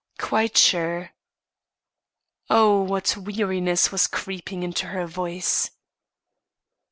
"Quite sure." Oh, what weariness was creeping into her voice!